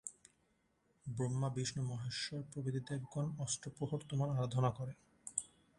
ব্রহ্মা, বিষ্ণু, মহেশ্বর প্রভৃতি দেবগণ অষ্ট প্রহর তোমার আরাধনা করেন।